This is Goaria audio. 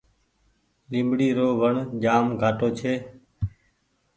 ليبڙي رو وڻ جآم گھآٽو ڇي۔